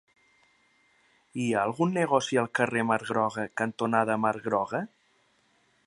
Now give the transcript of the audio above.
Hi ha algun negoci al carrer Mar Groga cantonada Mar Groga?